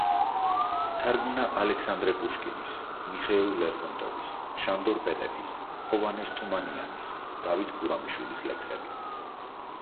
თარგმნა ალექსანდრე პუშკინის, მიხეილ ლერმონტოვის, შანდორ პეტეფის, ჰოვანეს თუმანიანის, დავით გურამიშვილის ლექსები.